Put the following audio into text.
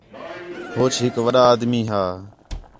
ہوچ ہِک وݙّا آدمی ہا